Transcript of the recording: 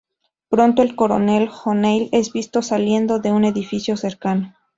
Pronto, el Coronel O'Neill es visto saliendo de un edificio cercano.